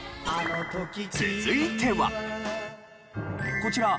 続いては。